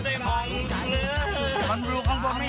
ลงไปครับความสาย